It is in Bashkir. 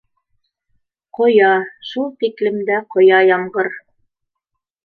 Ҡоя, шул тиклем дә ҡоя ямғыр